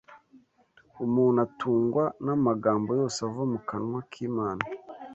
Umuntu atungwa “n’amagambo yose ava mu kanwa k’Imana